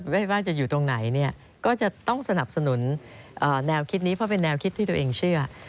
ไม่ว่าจะอยู่ตรงไหนก็จะต้องสนับสนุนแนวคิดนี้เพราะเป็นแนวคิดที่ตัวเองเชื่อ